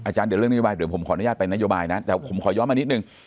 อาจารย์เดี๋ยวเรื่องนโยบายผมขออนุญาตไปนโยบายนะแต่ผมขอย้อมมานิดนึง